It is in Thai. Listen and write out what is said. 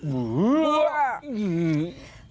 เยียง